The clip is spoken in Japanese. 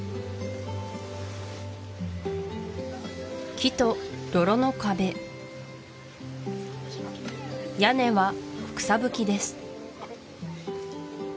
木と泥の壁屋根は草ぶきです